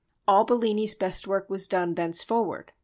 All Bellini's best work was done thenceforward.